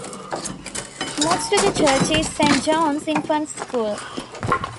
Next to the church is Saint John's Infant School.